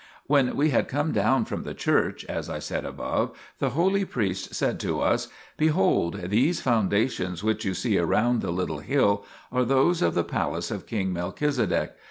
When we had come down from the church, as I said above, the holy priest said to us :" Behold, these foundations which you see around the little hill are those of the palace of king Melchizedek.